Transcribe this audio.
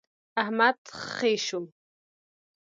احمد خې شو.